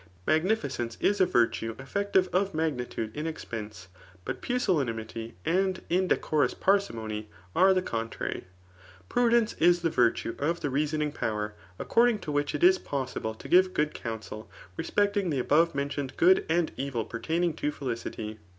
Mag nificence is a virtue effective of magnitude in expense ; but pusillanimity and indecorous parsimony are the con trary. Prudence is the virtue of the reasoning power, Jjccording to which it is possible to give good counsef wspecting the above mentioned good and evil pertaining to felicity.